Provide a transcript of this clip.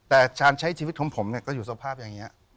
แต่การใช้ชีวิตของผมก็อยู่สภาพอย่างนี้